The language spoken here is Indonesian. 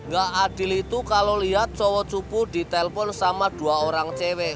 gak adil itu kalo liat cowo cupu di telpon sama dua orang cewe